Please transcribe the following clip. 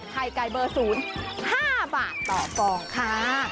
ไข่ไก่เบอร์ศูนย์๕บาทต่อปองค่ะ